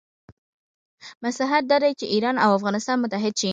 مصلحت دا دی چې ایران او افغانستان متحد شي.